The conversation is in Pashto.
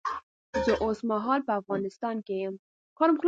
زه اوس مهال په افغانستان کې یم